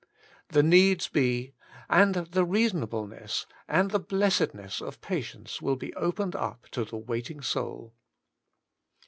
The needs be, and the reasonableness, and the blessedness of patience will be opened up to the waiting soul.